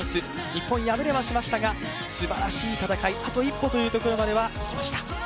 日本敗れはしましたがすばらしい戦い、あと一歩というところまできました。